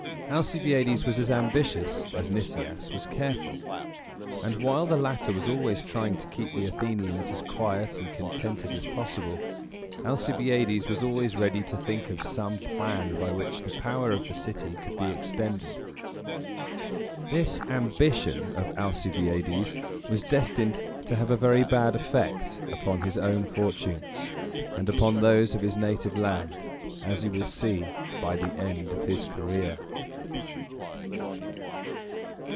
Alcibiades was as ambitious as Nicias was careful; and while the latter was always trying to keep the Athenians as quiet and contented as possible, Alcibiades was always ready to think of some plan by which the power of the city could be extended. This ambition of Alcibiades was destined to have a very bad effect upon his own fortunes and upon those of his native land, as you will see by the end of his career.